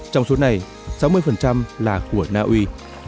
trong số này sáu mươi là của naui